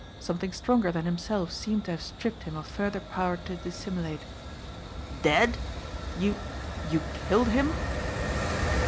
Something stronger than himself seemed to have stripped him of further power to dissimulate. "Dead! You you killed him?"